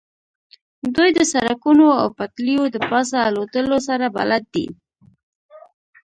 دوی د سړکونو او پټلیو د پاسه الوتلو سره بلد دي